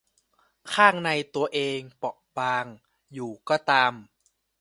ข้างในตัวเองเปราะบางอยู่ก็ตาม